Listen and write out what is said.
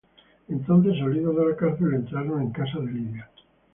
Entonces salidos de la cárcel, entraron en casa de Lidia;